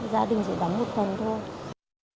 gia đình chỉ bán một phần thôi